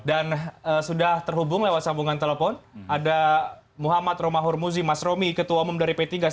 dan sudah terhubung lewat sambungan telepon ada muhammad romahur muzi mas romi ketua umum dari p tiga selamat malam mas romi